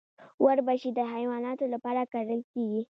وربشې د حیواناتو لپاره کرل کیږي.